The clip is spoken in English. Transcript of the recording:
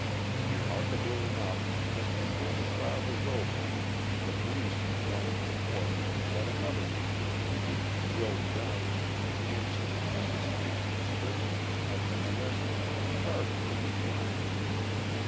Remarkably enough, just before the trial was over the police informed the court that another Negro, named Will Johnson, answering Mrs. Camp's description, had been arrested, charged with the crime.